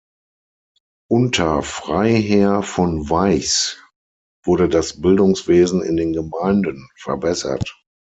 Unter Freiherr von Weichs wurde das Bildungswesen in den Gemeinden verbessert.